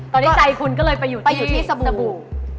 ตอนนี้ใจคุณก็เลยไปอยู่ที่สบู่